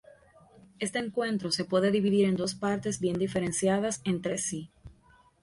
Este encuentro se puede dividir en dos partes bien diferenciadas entre sí.